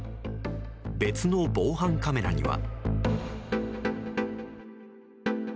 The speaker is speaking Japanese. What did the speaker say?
別の防犯カメラには。